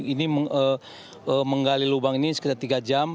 ini menggali lubang ini sekitar tiga jam